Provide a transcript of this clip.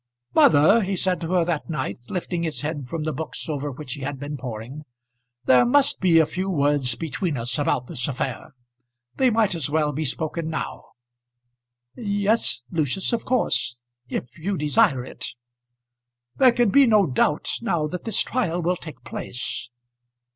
"Mother," he said to her that night, lifting his head from the books over which he had been poring, "There must be a few words between us about this affair. They might as well be spoken now." "Yes, Lucius; of course if you desire it." "There can be no doubt now that this trial will take place."